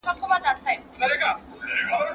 ¬ د شنې بزې چيچى که شين نه وي، شين ټکئ به لري.